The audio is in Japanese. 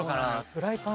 フライパン。